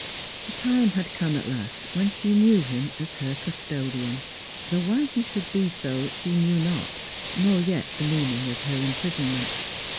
The time had come at last when she knew nim as her custodian ; though why he should be so, she knew not, nor yet the meaning of her imprisonment.